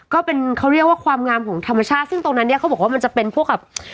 ก็เป็นเขาเรียกว่าความงามของธรรมชาติซึ่งตรงนั้นเนี่ยเขาบอกว่ามันจะเป็นพวกแบบ